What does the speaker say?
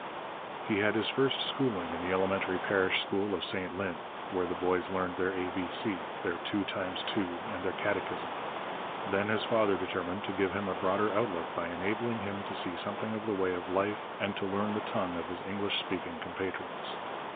He had his first schooling in the elementary parish school of St Lin, where the boys learned their A B C, their two times two, and their catechism. Then his father determined to give him a broader outlook by enabling him to see something of the way of life and to learn the tongue of his English speaking compatriots.